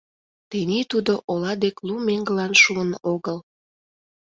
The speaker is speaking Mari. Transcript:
Тений тудо ола дек лу меҥгылан шуын огыл.